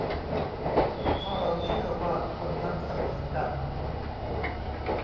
ถ้าเราเชื่อว่าคนนั้นเสมอกัน ?